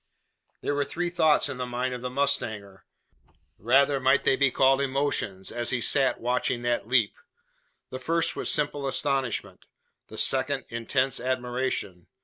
There were three thoughts in the mind of the mustanger rather might they be called emotions as he sate watching that leap. The first was simple astonishment; the second, intense admiration.